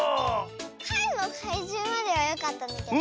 「かいのかいじゅう」まではよかったんだけど。